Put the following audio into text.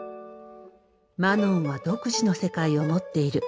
マノンは独自の世界を持っている。